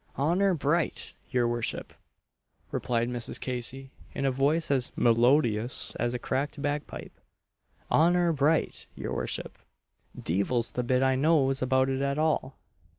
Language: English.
"Honour bright! your worship," replied Mrs. Casey, in a voice as melodious as a cracked bagpipe "Honour bright! your worship; deevle's the bit I knows about it at all!